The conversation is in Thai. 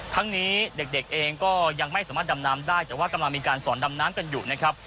ทั้งนี้เด็กเองก็ยังไม่สามารถดำน้ำได้แต่ว่ากำลังมีการสอนดำน้ำกันอยู่นะครับ